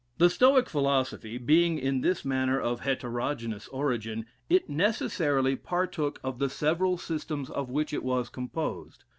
The Stoic philosophy, being in this manner of heterogeneous origin, it necessarily partook of the several systems of which it was composed.